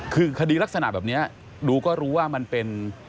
คือคดีลักษณะแบบนี้ดูก็รู้ว่ามันเป็น